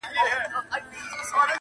دوه شاهان په مملکت کي نه ځاییږي،